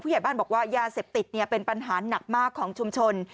ใหญ่บ้านบอกว่ายาเสพติดเป็นปัญหาหนักมากของชุมชน